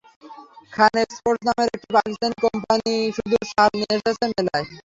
খান Exports নামের একটি Pakistani company শুধু শাল নিয়ে এসেছে মেলায়।